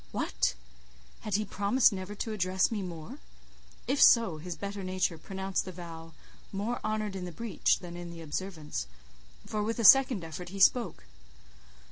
What! had he promised never to address me more? If so, his better nature pronounced the vow "more honoured in the breach than in the observance," for with a second effort, he spoke.